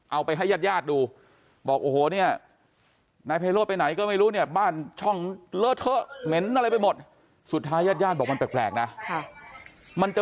เอาไปให้ญาติญาติดู